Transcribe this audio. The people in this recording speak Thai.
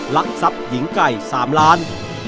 ลักทรัพย์หญิงไก่๓ล้าน